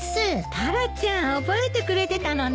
タラちゃん覚えてくれてたのね。